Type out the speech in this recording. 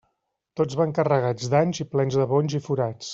Tots van carregats d'anys i plens de bonys i forats.